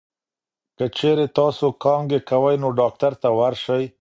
که چېرې تاسو کانګې کوئ، نو ډاکټر ته ورشئ.